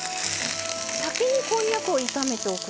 先にこんにゃくを炒めておくと。